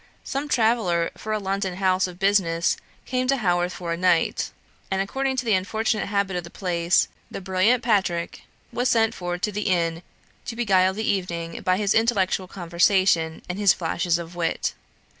Some traveller for a London house of business came to Haworth for a night; and according to the unfortunate habit of the place, the brilliant "Patrick" was sent for to the inn, to beguile the evening by his intellectual conversation and his flashes of wit.